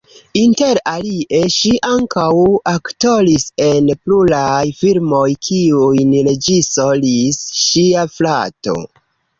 Inter alie ŝi ankaŭ aktoris en pluraj filmoj kiujn reĝisoris ŝia frato.